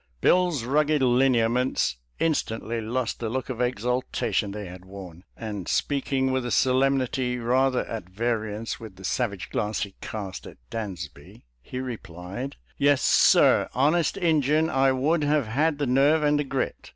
" Bill's rugged lineaments instantly lost the look of exaltation they had worn, and speaking with a solemnity rather at variance with the savage glance he cast at Dansby, he replied, " Yes, sir, honest Injun I would have had the nerve and the grit.